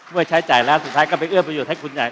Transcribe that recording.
ไว้ใช้จ่ายแล้วสุดท้ายก็ไปเอื้อประโยชน์ให้คุณใหญ่